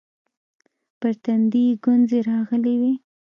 پر تندي يې گونځې راغلې وې.